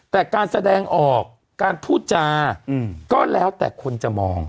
แต่การแสดงออกการพูดจาก็แล้วแต่คนจะมอง